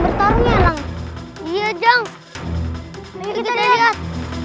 bertarung ya lang iya jang kita lihat